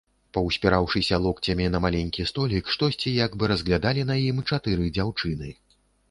Паўспіраўшыся локцямі на маленькі столік, штосьці як бы разглядалі на ім чатыры дзяўчыны.